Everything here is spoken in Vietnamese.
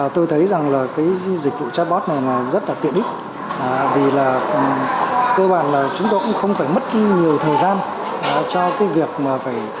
tôi thấy rằng dịch vụ chatbot này rất tiện ích vì cơ bản chúng tôi không phải mất nhiều thời gian cho việc phải